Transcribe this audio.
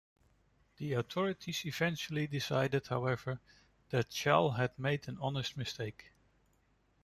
The authorities eventually decided, however, that Chal had made an honest mistake.